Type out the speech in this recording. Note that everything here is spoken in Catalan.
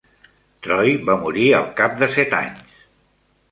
Troy va morir al cap de set anys.